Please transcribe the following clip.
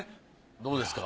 どうですか？